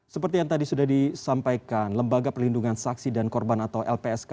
seperti yang tadi sudah disampaikan lembaga perlindungan saksi dan korban atau lpsk